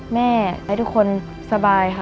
ให้ทุกคนสบายค่ะ